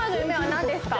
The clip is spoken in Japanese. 何ですか？